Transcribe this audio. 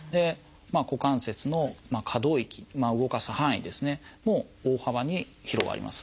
股関節の可動域動かす範囲ですねも大幅に広がります。